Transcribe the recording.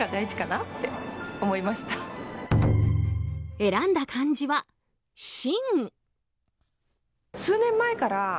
選んだ漢字は「芯」。